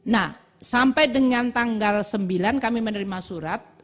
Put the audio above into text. nah sampai dengan tanggal sembilan kami menerima surat